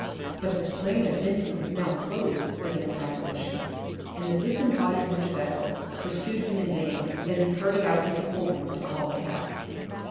But the brain of Vincey was now closed against apparitions, and the disembodied Mr. Bessel pursued him in vain as he hurried out into Holborn to call a cab.